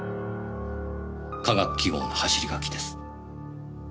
化学記号の走り書きです。